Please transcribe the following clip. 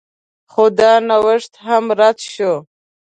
خو دا نوښت هم رد شو